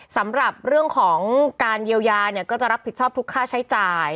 สำหรับเรื่องของการเยียวยาเนี่ยก็จะรับผิดชอบทุกค่าใช้จ่าย